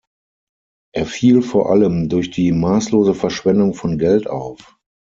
Er fiel vor allem durch die maßlose Verschwendung von Geld auf.